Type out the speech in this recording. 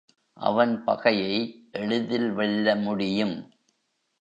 அவன் பகையை எளிதில் வெல்ல முடியும்.